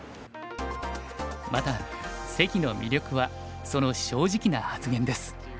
また関の魅力はその正直な発言です。